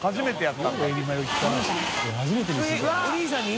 お兄さんに？